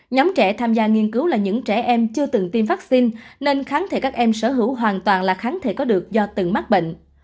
nhóm trẻ tham gia nghiên cứu là những trẻ em chưa từng tiêm vaccine nên kháng thể các em sở hữu hoàn toàn là kháng thể có được do từng mắc bệnh